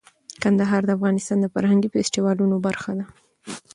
کندهار د افغانستان د فرهنګي فستیوالونو برخه ده.